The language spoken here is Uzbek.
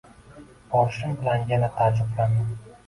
Borishim bilan yana taajjublandim.